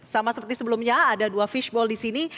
sama seperti sebelumnya ada dua fishball di sini